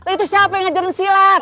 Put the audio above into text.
itu siapa yang ngajarin silat